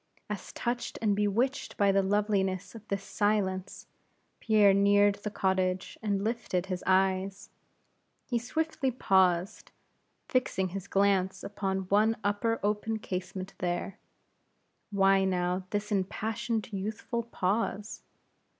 As touched and bewitched by the loveliness of this silence, Pierre neared the cottage, and lifted his eyes, he swiftly paused, fixing his glance upon one upper, open casement there. Why now this impassioned, youthful pause?